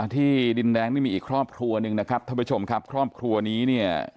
ที่ดินแดงนี่มีอีกครอบครัวหนึ่งนะครับท่านผู้ชมครับครอบครัวนี้เนี่ย